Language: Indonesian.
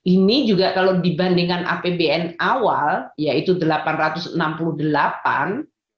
ini juga kalau dibandingkan apbn awal yaitu rp delapan ratus enam puluh delapan